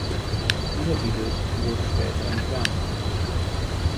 Dieser Titel wurde später entfernt.